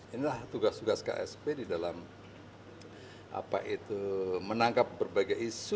inilah tugas tugas ksp di dalam menangkap berbagai isu